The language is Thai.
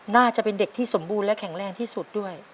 น่าจะเป็นเด็กที่สมบูรณ์และแข็งแรงที่สุดด้วย